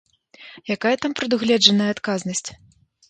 Якая там прадугледжаная адказнасць?